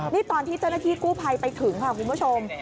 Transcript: นี่ตอนที่เจ้าหน้าที่กู้ภัยไปถึงค่ะคุณผู้ชม